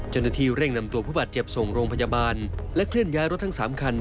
เจ้าหน้าที่เร่งนำตัวผู้บาดเจ็บส่งโรงพยาบาลและเคลื่อนย้ายรถทั้ง๓คัน